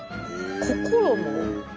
心も？